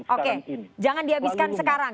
oke jangan dihabiskan sekarang